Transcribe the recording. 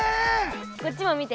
こっちも見て。